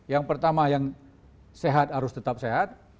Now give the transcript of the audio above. yang pertama yang sehat harus tetap sehat